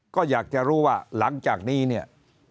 ก็อยากจะรู้ว่าหลังจากนี้เนี่ย